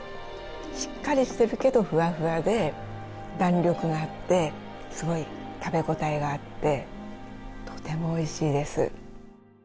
しっかりしてるけどフワフワで弾力があってすごい食べ応えがあってとてもおいしいです。